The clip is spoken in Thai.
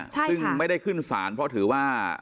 ซึ่งไม่ได้ขึ้นศาลเพราะถือว่า